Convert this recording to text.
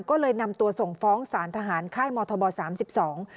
ก็เลยนำตัวส่งฟ้องสารทหารค่ายมทบสามสิบสอง